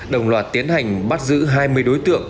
đồng loạt tiến hành bắt giữ hai mươi đối tượng